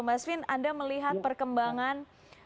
mbak asvin anda melihat perkembangan